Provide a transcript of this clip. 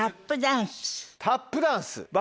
タップダンス。